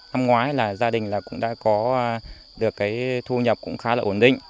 năm ngoái là gia đình là cũng đã có được cái thu nhập cũng khá là ổn định